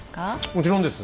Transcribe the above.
もちろんです。